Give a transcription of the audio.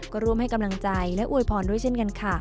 ก็ร่วมให้กำลังใจและอวยพรด้วยเช่นกันค่ะ